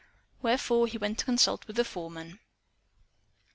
Wherefore he went to consult with the foreman.